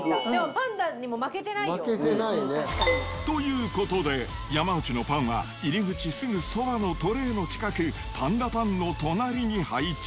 パンダにも負けてないよ。ということで、山内のパンは、入り口すぐそばのトレーの近く、パンダパンの隣に配置。